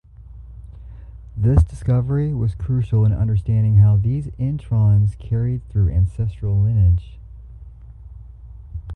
This discovery was crucial in understanding how these introns carried through ancestral lineage.